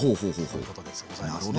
そういうことでございますね。